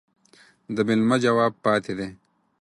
د ميلمه جواب پاتى دى.